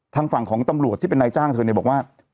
ทางฝั่งของตำรวจที่เป็นนายจ้างเธอเนี่ยบอกว่า